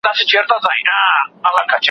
هغه به هیڅکله په کور کي بندي نه سي.